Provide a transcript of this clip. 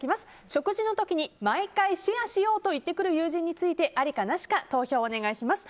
食事の時に毎回シェアしようと言ってくる友人についてありかなしか投票をお願いします。